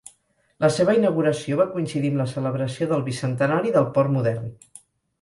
La seva inauguració va coincidir amb la celebració del Bicentenari del Port Modern.